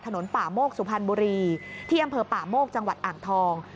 ถนนป่าโมกสุพรรณบุรีที่อำเภอป่าโมกจังหวัดอ่างทอง